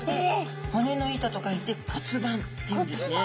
「骨の板」と書いて骨板っていうんですね。